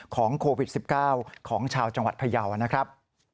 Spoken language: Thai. ของโควิด๑๙ของชาวจังหวัดพยาวนะครับ